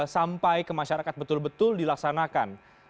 sampai ke masyarakat betul betul dilaksanakan